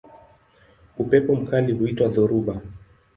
Upepo mkali huitwa dhoruba.